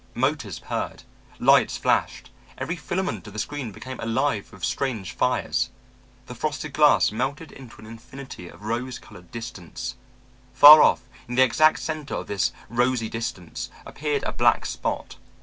Motors purred, lights flashed, every filament of the screen became alive with strange fires. The frosted glass melted into an infinity of rose colored distance. Far off, in the exact center of this rosy distance appeared a black spot.